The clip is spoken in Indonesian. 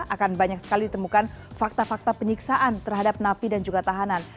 akan banyak sekali ditemukan fakta fakta penyiksaan terhadap napi dan juga tahanan